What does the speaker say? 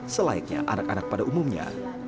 selayaknya anak anak pada umumnya